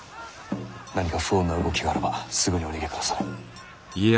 何か不穏な動きがあらばすぐにお逃げくだされ。